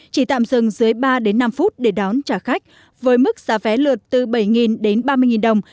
chỉ tạm dừng dưới ba năm phút để đón trả khách với mức giá vé lượt từ bảy đến ba mươi đồng